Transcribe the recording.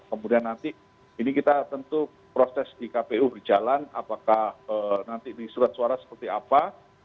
kemudian nanti ini kita tentu proses di kpu berjalan apakah nanti ini surat suara seperti apa